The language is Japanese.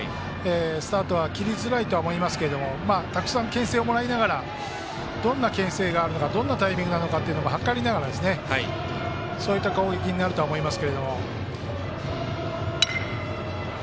スタートは切りづらいとは思いますけどたくさんけん制をもらいながらどんなけん制があるのかどんなタイミングなのか図りながらそういった攻撃になると思います。